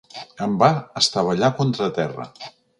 Em va estavellar contra terra.